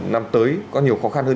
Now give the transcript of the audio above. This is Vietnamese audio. năm tới có nhiều khó khăn hơn